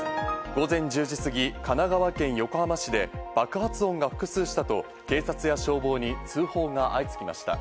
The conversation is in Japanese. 午前１０時過ぎ、神奈川県横浜市で爆発音が複数したと警察や消防に通報が相次ぎました。